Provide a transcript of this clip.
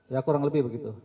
ya kurang lebih begitu